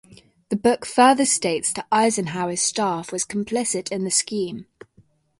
The book further states that Eisenhower's staff was complicit in the scheme.